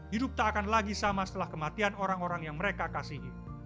hidup tak akan lagi sama setelah kematian orang orang yang mereka kasihi